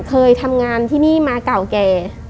เคยทำงานที่นี่มาเก่าแก่